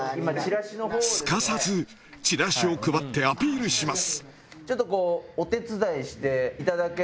すかさずチラシを配ってアピールします。